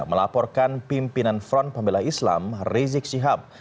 melaporkan pimpinan front pembela islam rizik syihab